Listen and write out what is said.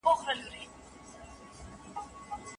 سیاسي ډیالوګ د هیوادونو واټن کموي.